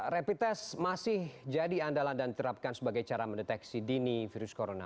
rapid test masih jadi andalan dan diterapkan sebagai cara mendeteksi dini virus corona